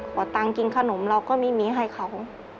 ตังค์กินขนมเราก็ไม่มีให้เขา